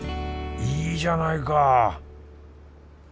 いいじゃないか！